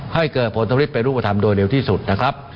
ให้เกิดผลผลิตเป็นรูปธรรมโดยเร็วที่สุดนะครับ